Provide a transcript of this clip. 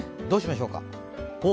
どうしましょうか。